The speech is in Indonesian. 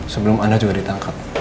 sebelum anda juga ditangkap